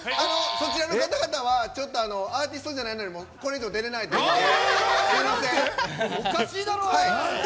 そちらの方々はアーティストじゃいのでこれ以上、出れないということで。